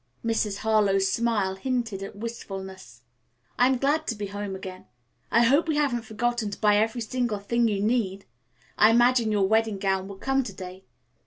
Mrs. Harlowe's smile hinted at wistfulness. "I am glad to be home again, too. I hope we haven't forgotten to buy every single thing you need. I imagine your wedding gown will come to day.